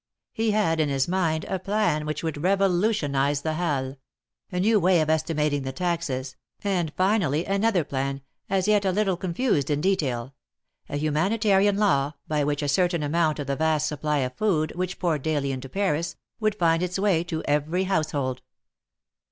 He had in his mind a plan which would revo lutionize the Halles — a new way of estimating the taxes, and finally another plan, as yet a little confused in detail — a humanitarian law, by which a certain amount of the vast supply of food which poured daily into Paris, would find its way to every household.